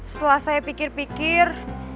setelah saya pikir pikir